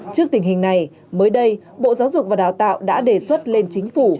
trước tình hình này mới đây bộ giáo dục và đào tạo đã đề xuất lên chính phủ